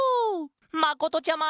まことちゃま！